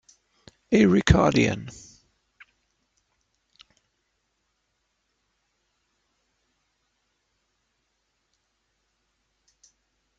a Ricardian.